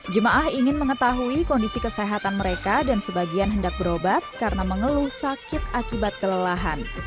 jemaah ingin mengetahui kondisi kesehatan mereka dan sebagian hendak berobat karena mengeluh sakit akibat kelelahan